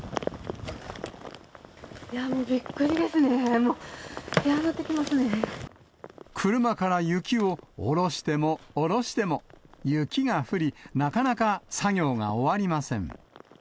いやもうびっくりですね、車から雪を下ろしても、下ろしても、雪が降り、なかなか作業が終わりません。